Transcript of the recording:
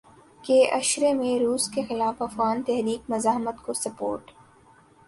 کے عشرے میں روس کے خلاف افغان تحریک مزاحمت کو سپورٹ